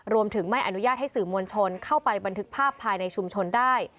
ไม่อนุญาตให้สื่อมวลชนเข้าไปบันทึกภาพภายในชุมชนได้